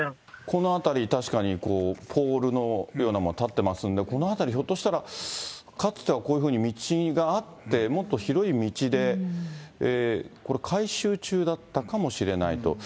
この辺り、確かにこう、ポールのようなもの立ってますんで、この辺り、ひょっとしたら、かつてはこういうふうに道があって、もっと広い道で、これ、改修中だったかもしれないと。